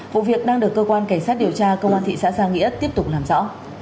vụ việc đang được cơ quan cảnh sát điều tra công an thị xã giang nghĩa tiếp tục làm rõ